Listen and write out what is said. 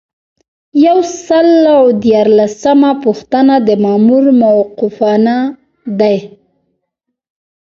یو سل او دیارلسمه پوښتنه د مامور موقفونه دي.